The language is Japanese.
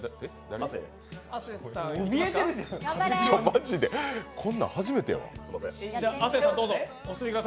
マジでこんなん初めてだわ。